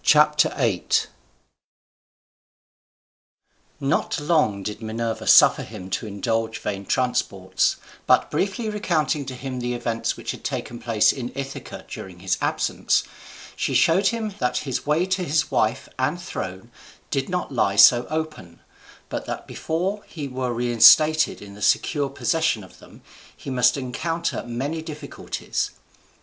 Telemachus. Not long did Minerva suffer him to indulge vain transports; but briefly recounting to him the events which had taken place in Ithaca during his absence, she showed him that his way to his wife and throne did not lie so open, but that before he were reinstated in the secure possession of them he must encounter many difficulties.